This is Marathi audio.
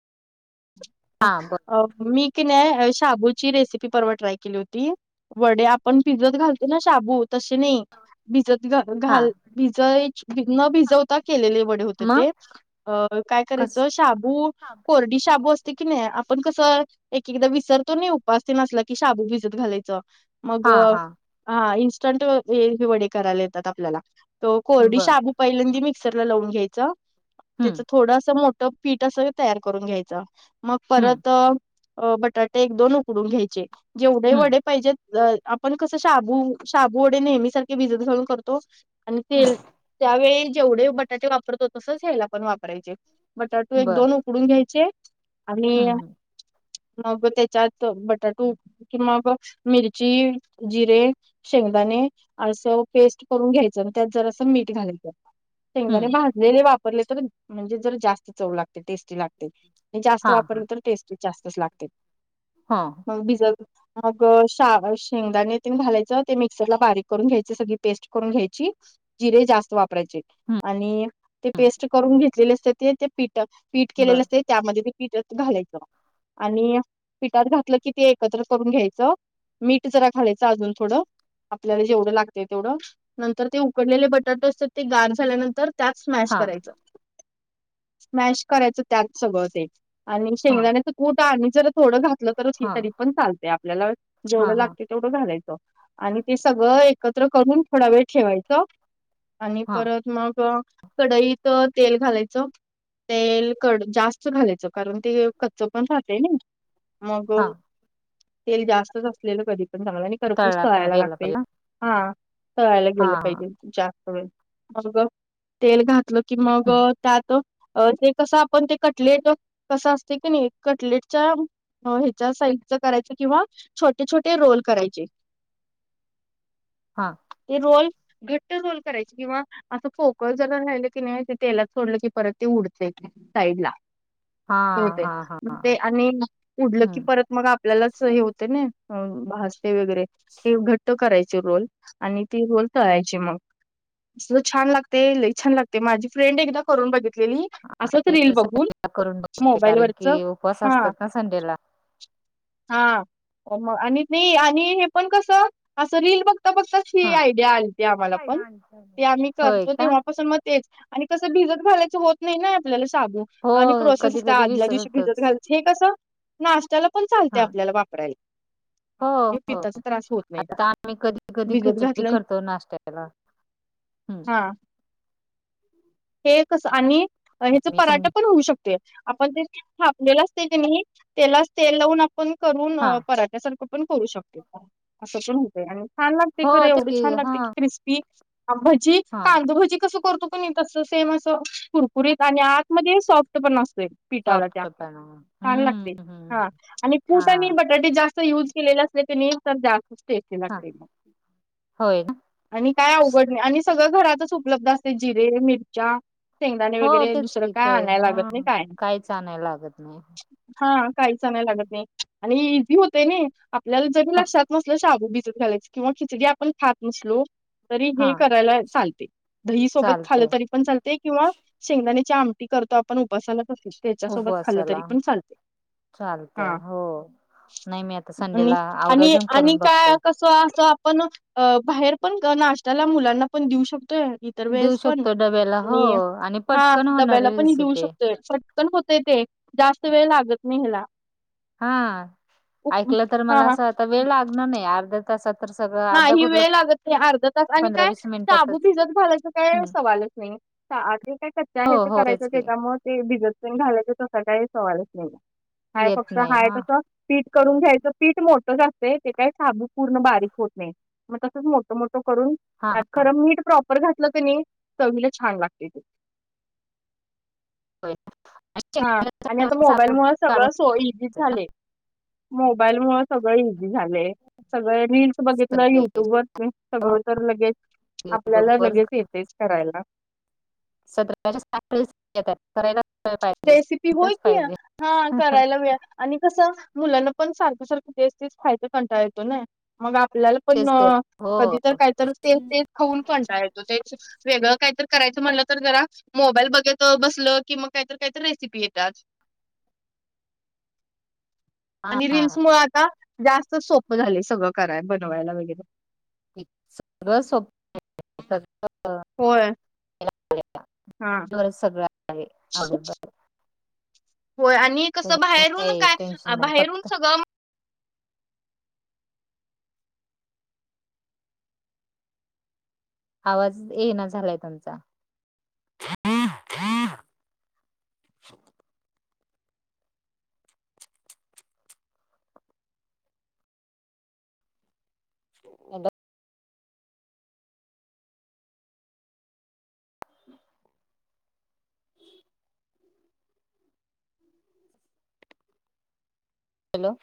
ह हा बर अ मी [inaudible] त्या शाबूची रेसिपी परवा ट्राय केली होती वडे आपण भिजत घालतो पूर्ण शाबू तसे नाही. भिजत घा हा घाल भिजा न भिजवता केलेले वडे होते मग ते. अ काय कस करायचं शाबू कोरडी शाबू असते कि नाही आपण कसं एक, एकदा विसरतो नाही उपास असला की शाबू भिजत घालायचं. मग हा हा हा इन्स्टंट हे वडे करायला येतात आपल्याला तर कोरडी बर शाबू पहिल्यांदी मिक्सर लावून घ्यायच त्याच हम्म थोडंस मोठं पीठ असं तयार करून घ्यायचं. मग हम्म परत बटाटे एक, दोन उकडून घ्यायचे जेवढे हम्म वडे पाहिजेत. आपण कसं शाबू, शाबू वडे नेहमी सारखे भिजत घालून करतो. आणि तेल त्यावेळी जेवढे बटाटे वापरतो तस हेला पण वापरायचे. बटाटो हम्म एक, बर दोन उकडून घ्यायचे. आणि हम्म हम्म मग त्याच्यात बटाटे उक किव्हा मग मिरची, जिरे शेंगदाने असं पेस्ट करून घ्यायचं आणि त्यात जरासं मीठ घालायचं. शेंगदाणे हम्म भाजलेले वापरले तर म्हणजे जर जास्त चव लागते टेस्टी लागते. जास्त हा हा वापरल तर टेस्टच जास्तच लागते. हा. मग भिजवत मग शा शेंगदाणे तेन भाजायच ते मिक्सर ला बारीक करून घ्यायची सगळी पेस्ट करून घ्यायची. जिरे जास्त वापरायचे आणि ते हम्म पेस्ट करून घेतलेले असते ते ते पीठ फीट केलेलं बर असते त्यामध्ये पीठ घालायचं. आणि पिठात घातलं कि ते एकत्र करून घ्यायचं. मीठ जरा घालायचं अजून थोडं. आपल्याला जेवढं लागत तेवढं नंतर ते उकडलेले बटाटे असतात ते गार झाल्यानंतर त्यात स्मॅश हा करायचं, स्मॅश करायचं त्यात सगळं ते. आणि हा शेंगदाण्याच कूट आणि जर थोडं घातलं तर हे हा तरी पण चालतय आपल्याला. हा जेवढं हा लागते तेवढं घालायचं आणि ते सगळं एकत्र करून थोडा वेळ ठेवायचं. आणि हा परत मग कडईत तेल घालायचं तेल कड जास्त घालायचं कारण ते कच्च पण राहत न‌ई मग हा तेल जास्तच असलेलं कधी पण चांगलं आणि खरपूस तळला प तळायला गेला लागतय. पाहिजे हा तळायला हा गेलं हा पाहिजे जास्त वेळ मग तेल घातलं मग हम्म त्यात ते कसं आपण ते, कटलेट कसं असतय कणी कटलेटच्या हो ह्याच्या साईजच करायच किंवा छोटे छोटे रोल करायचे. हा हे रोल. घट्ट गोल करायची किंवा असं फोकळ जरा राहिलं की नी तेलात सोडलं की परत ती उडतेय. साईडला हा हो हा हा हा ते आणि उडलं की हम्म परत मग आ आपल्यालाच हे होते न भाजते वगैरे ते घट करायची रोल आणि ती रोल तळायची मग. छान लागते लई छान लागते माझी फ्रेंड एकदा करून बघितलेली असंच रील बघून. आता करू बघते मोबाईल कारण वरच की उपवास हा असतात ना संडेला. हा मग आणि नाही आणि हे पण कस असं रील बघता बघता ही हा आयडिया आलती आम्हाला पण ते आम्ही होय करतो का तेव्हापासून मग, तेच आणि कसं भिजत घालायचं होत नाही ना आपल्याला शाबू. हो आणि प्रोसेस कधी असते कधी आदल्या दिवशी भिजत विसरतच घायचं हे कसं नाश्त्याला पण चालत हा आपल्याला वापरायला. हो हो पित्ताचा त्रास होत नाही आता जास्त आम्ही कधी कधी भिजत खिचडी घातलं करतो नाश्त्याला‌. हा. हे कस आणि ह्याच मी सांग पराठा पण होऊ शकतोय. आपण जे थापलेलं असतय कणी त्यालाच तेल लावून आपण करून हा पराठ्यासारख. पण करू शकते असं पण होत आणि छान लागते हो खरं तेच एवढी छान हा लागते की क्रिस्पी. अ भजी हा कांदभजी कस करतो. कणी तसं सेम असं कुरकुरीत आणि आतमध्ये सॉफ्ट पण असतंय. पिठाला त्या सॉफ्ट पण छान हम्म लागते हम्म हा आणि हा पूट आणि ब तर ते जास्त यूज केलेले असले की नी तर जास्त टेस्टी हा लागते मग. होय ना आणि काय अवघड आणि सगळं घरातच उपलब्ध असते जिरे मिरच्या. शेंगदाणे हो वगैरे तेच दुसरं कि काय ते आणायला लागत हा नाही हा. काय नाही. काहीच आणाय लागत नाही हा काहीच आना हं, लागत नाही आणि हे इझी होतयन आपल्याला जरी लक्षात नसल शाबू भिजत घालायच किंवा खिचडी आपण खात नसलो तरी हा हे करायला चालते. दही सोबत खाल चालते तरी पण चालते किंवा शेंगदाण्याची आमटी करतो आपण उपासालाच तसंच ‌. त्याच्यासोबत खालं उपवासाला तरी पण चालते. चालतय हा हो नाही मी आता संडेला आवराजून करून बघतोय. कस असं आपणच बाहेर पण नाश्त्याला मुलांना पण देऊ शकतोय. इतर देऊ वेळेस पण शकतो डब्याला हो आणि आणि पटकन होणारी रेसिपी आहे. तेच पटकन होतय ते जास्त वेळ लागत नाही ह्याला. हा उप ऐकलं तर हा मला असं आता वेळ लागणार नाही अर्ध्या तासात तर सगळं नाही अर्धा ही कुठलं वेळ लागत नाही अर्ध तास आणि पंधरा काय वीस शाबू मिनिटातच भिजत घालायच काय हम्म. सवालच नाही आधी काय कच्च हो हेच हो करायच तेच की तेच्यामुळ मग ते भिजत तेन घालायचा तस काही सवालच नाही आहे हाय येत फक्त नाही हाय हा तस पीठ करून घ्यायचं पीठ मोठंच असतय ते काय शाबू पूर्ण बारीक होत मग तसच मोठं मोठं करून हा हा. त्यात खरं मीठ प्रॉपर घातलं कनी चवीला छान लागतय ते [inaudible] हा आणि आता शेंगदाणे मोबाईल मुळ काढून सगळं सोई इझीच झालय मोबाईल मुळ सगळं इझी झालंय सगळ रिल्स बघितलं सगळे युट्यूबवरती सगळं तर लगेच युट्यूब आपल्याला वर लगेच येतयच करायला सतराच्याठ येतात करायला रेसिपी होय पाहिजेच की पाहिजे हा करायला वेळ आणि कसं मुलांना पण सारखं सारखं तेच तेच खायचा कंटाळ येतो नाई मग आपल्याला पण तेच तेच हो कधी तर काहीतर तेच तेच खाऊन कंटाळा येतो तेच वेगळं काहीतर करायचं म्हटलं तर जरा मोबाईल बघत बसलं कि मग काहीतर काहीतर रेसिपी येतात हा आणि हा. रिल्समुळ आता जास्तच सोपं झालय सगळं कराय बनवायला वगैरे सगळं सोप [inaudible] होय [unintelligible] हा सगळ आहे [unintelligible] होय आणि कसं त्याच्यामुळे बाहेरून काही काय टेन्शन नाही बाहेरून फक्त सगळं आवाज येईना झालाय तुमचा हॅलो [inaudible] हॅलो